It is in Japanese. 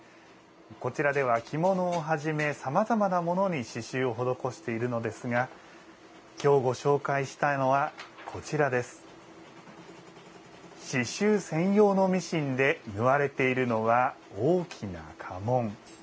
こちらでは着物をはじめさまざまなものに刺しゅうを施しているのですが今日、ご紹介したいのは刺しゅう専用のミシンで縫われているのは大きな家紋。